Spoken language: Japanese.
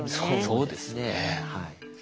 そうですねはい。